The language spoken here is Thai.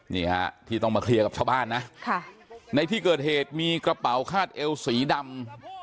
นี่ฮะที่ต้องมาเคลียร์กับชาวบ้านนะในที่เกิดเหตุมีกระเป๋าคาดเอวสีดำ